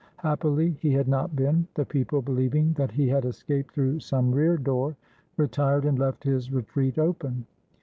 Happily he had not been; the people, believing that he had escaped through some rear door, retired and left his retreat open.